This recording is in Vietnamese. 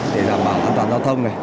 để đảm bảo tham gia giao thông